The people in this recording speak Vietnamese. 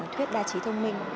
thuyết đa trí thông minh